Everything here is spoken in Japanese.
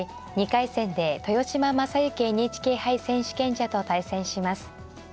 ２回戦で豊島将之ＮＨＫ杯選手権者と対戦します。